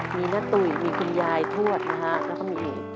มีน้าตุ๋ยมีคุณยายทวดนะครับคุณเอก